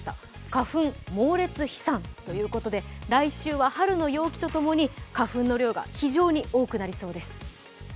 花粉猛烈飛散ということで来週は春の陽気と共に花粉の量が非常に多くなりそうです。